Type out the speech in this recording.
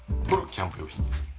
キャンプ用品です。